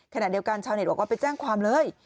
ขณะเดียวกันชาวเน็ตบอกว่าไปแจ้งความเลย